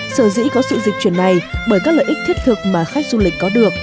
sở dĩ có sự dịch chuyển này bởi các lợi ích thiết thực mà khách du lịch có được